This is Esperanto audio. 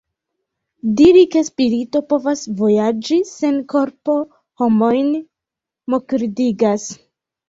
Diri ke spirito povas vojaĝi sen korpo homojn mokridigas.